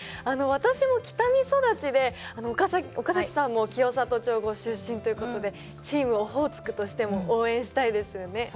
あの私も北見育ちで岡崎さんも清里町ご出身ということでチームオホーツクとしても応援したいですよね。